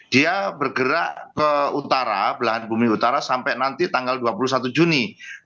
dia bergerak ke utara belahan bumi utara sampai nanti tanggal dua puluh satu juni